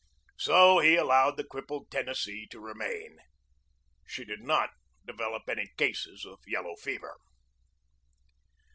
So he allowed the crippled Ten nessee to remain. She did not develop any cases of yellow fever.